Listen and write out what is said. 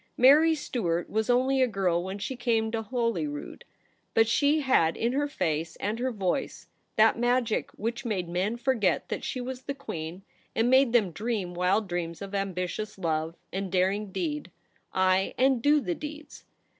* Mary Stuart was only a girl when she came to Holyrood ; but she had in her face and her voice that magic which made men forget that she was the queen, and made them dream wild dreams of ambitious love and daring deed — ay, and do the deeds